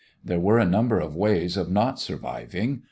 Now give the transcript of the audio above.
There were a number of ways of not surviving.